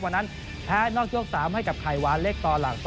วันนั้นแพ้นอกยก๓ให้กับไข่หวานเล็กต่อหลัก๒